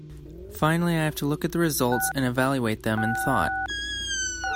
Finally I have to look at the results and evaluate them in thought.